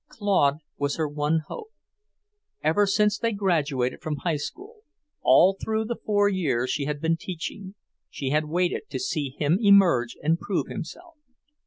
Claude was her one hope. Ever since they graduated from High School, all through the four years she had been teaching, she had waited to see him emerge and prove himself.